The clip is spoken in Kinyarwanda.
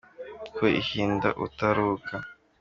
Kuko ihinda ubutaruhuka